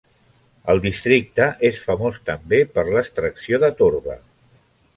El districte és famós també per l'extracció de torba.